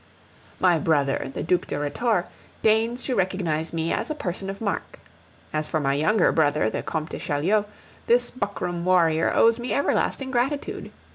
My brother, the Duc de Rhetore, deigns to recognize me as a person of mark. As for my younger brother, The Comte de Chaulieu, this buckram warrior owes me everlasting gratitude.